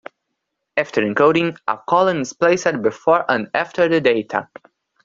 After encoding, a colon is placed before and after the data.